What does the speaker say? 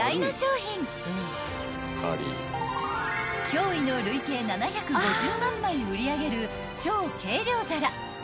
［驚異の累計７５０万枚売り上げる］